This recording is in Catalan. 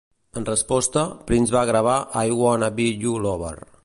En resposta, Prince va gravar I Wanna Be Your Lover.